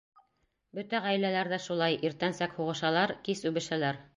Бөтә ғаиәләләр ҙә шулай: иртәнсәк һуғышалар, кис үбешәләр.